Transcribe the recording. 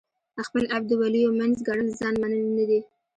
خپل عیب د ولیو منځ ګڼل ځان منل نه دي.